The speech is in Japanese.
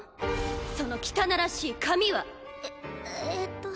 その汚らしい紙は。ええっと